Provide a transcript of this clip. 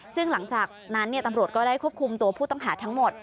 ซึ่งหลังจากนั้นตำรวจก็ได้ควบคุมตัวผู้ต้องหาทั้งหมด